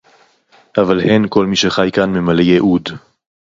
אבל הן כל מי שחי כאן ממלא ייעוד.